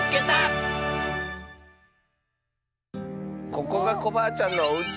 ここがコバアちゃんのおうち！